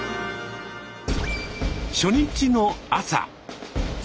初日の朝。